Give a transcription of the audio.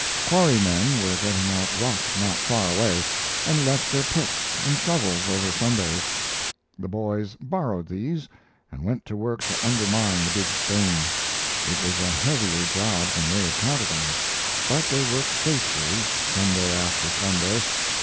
Quarrymen were getting out rock not far away, and left their picks and shovels over Sundays. The boys borrowed these, and went to work to undermine the big stone. It was a heavier job than they had counted on, but they worked faithfully, Sunday after Sunday.